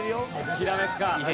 ひらめくか？